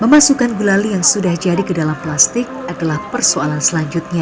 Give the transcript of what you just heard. memasukkan gulali yang sudah jadi ke dalam plastik adalah persoalan selanjutnya